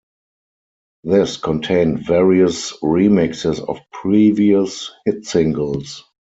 This contained various remixes of previous hit singles.